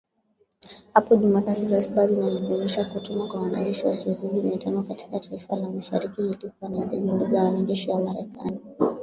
Hapo Jumatatu Rais Biden aliidhinisha kutumwa kwa wanajeshi wasiozidi mia tano katika taifa la Mashariki ili kuwa na idadi ndogo ya wanajeshi wa Marekani